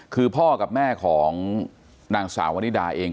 คือพ่อกับแม่ของนางสาววนิดาเอง